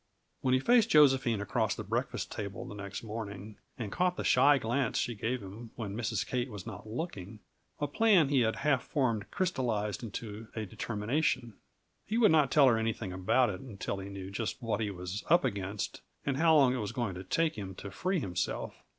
When he faced Josephine across the breakfast table the next morning, and caught the shy glance she gave him when Mrs. Kate was not looking, a plan he had half formed crystallized into a determination. He would not tell her anything about it until he knew just what he was up against, and how long it was going to take him to free himself.